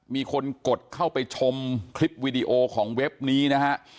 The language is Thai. มีคนกดเข้าไปชมคลิปวีดีโอของเว็บนี้นะฮะ